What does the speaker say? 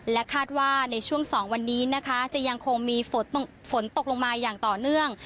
คาดว่าในช่วง๒วันนี้นะคะจะยังคงมีฝนตกลงมาอย่างต่อเนื่อง